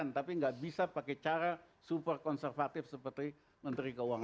tapi nggak bisa pakai cara super konservatif seperti menteri keuangan